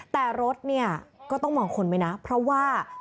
แต่รถเนี่ยก็ต้องมองคนไว้นะเพราะว่า